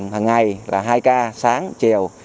hằng ngày là hai k sáng chiều